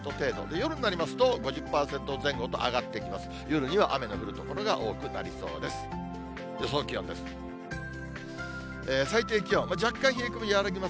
夜になりますと、５０％前後と上がってきます。